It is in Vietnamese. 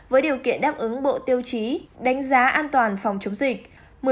với điều kiện đáp ứng bộ tiêu chí đánh giá an toàn phòng chống dịch